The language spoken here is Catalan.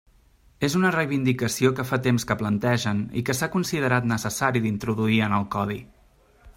És una reivindicació que fa temps que plantegen i que s'ha considerat necessari d'introduir en el Codi.